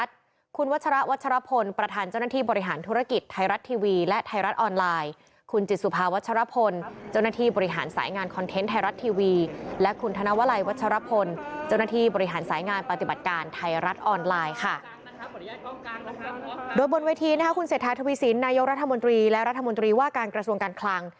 โดยบนเวทีคุณเศรษฐาทวีสินนายกรัฐมนตรีและรัฐมนตรีว่าการกระทรวงการคลัง